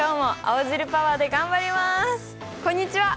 こんにちは！